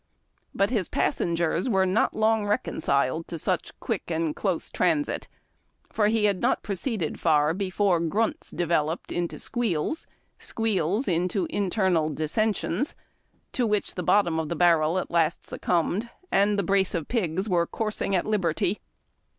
But his passengers were not long reconciled to such quick and close FORAGING. 249 transit, for he had not proceeded far before grunts developed mto squeals, squeals into internal dissensions, to which the bottom of the barrel at last succumbed, and a brace of pigs were coursing at liberty.